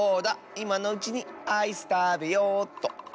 いまのうちにアイスたべようっと。